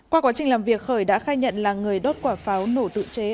qua quá trình làm việc khởi đã khai nhận là người đốt quả pháo nổ tự chế